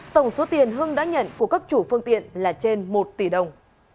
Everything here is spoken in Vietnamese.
tổng số tiền hưng đã nhận của các chủ phương tiện là trên một tỷ đồng